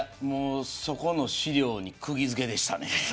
そこの資料にくぎ付けでしたね。